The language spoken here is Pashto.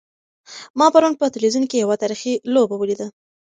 ما پرون په تلویزیون کې یوه تاریخي لوبه ولیده.